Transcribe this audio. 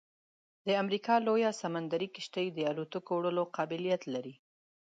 د امریکا لویه سمندري کشتۍ د الوتکو وړلو قابلیت لري